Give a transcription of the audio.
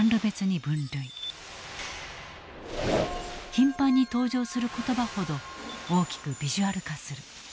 頻繁に登場する言葉ほど大きくビジュアル化する。